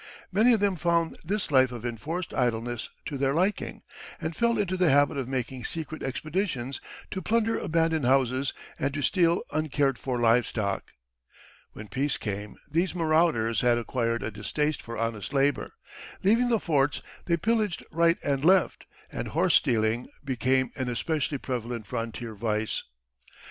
Many of them found this life of enforced idleness to their liking, and fell into the habit of making secret expeditions to plunder abandoned houses and to steal uncared for live stock. When peace came these marauders had acquired a distaste for honest labor; leaving the forts, they pillaged right and left, and horse stealing became an especially prevalent frontier vice.